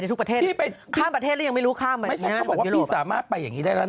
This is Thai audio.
ทุกประเทศที่ไปเข้าประเทศเรียกหมู่ข้ามแล้วที่สามารถไปแบบนี้ได้แล้วนะ